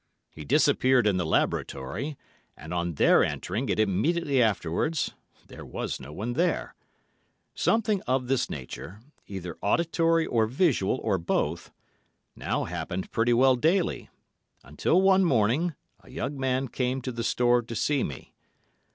He disappeared in the laboratory, and on their entering it immediately afterwards, there was no one there. Something of this nature—either auditory or visual, or both—now happened pretty well daily, until one morning a young man came to the store to see me.